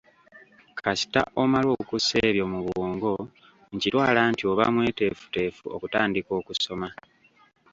Kasita omala okussa ebyo mu bwongo nkitwala nti oba mweteefuteefu okutandika okusoma.